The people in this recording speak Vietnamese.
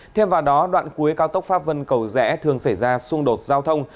thêm vào đó đoạn cuối cao tốc pháp vân cầu rẽ thường xảy ra xung đột giao thông